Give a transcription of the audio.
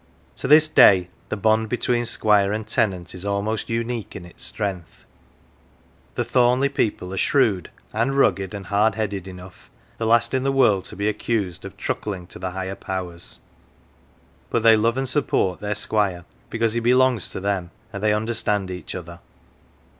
To this day the bond between squire and tenant is almost unique in its strength. The Thornleigh people are shrewd, and rugged, and hard headed enough, the last in the world to be accused of truckling to the higher powers ; but they love and support their squire because he belongs to them, and they understand each other.